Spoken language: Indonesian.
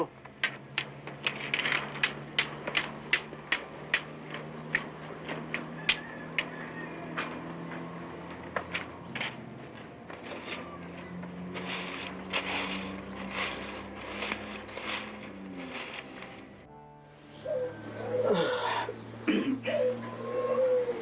saya mau jalan dulu